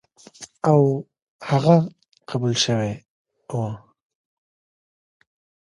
او هغه قبول شوی و،